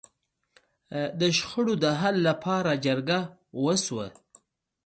د شخړو د حل لپاره جرګه وشوه.